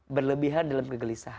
berlebihan dalam kegelisahan